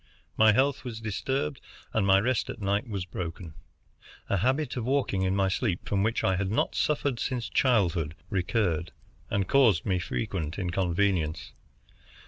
My health was disturbed and my rest at night was broken. A habit of walking in my sleep, from which I had not suffered since childhood, recurred, and caused me frequent inconvenience.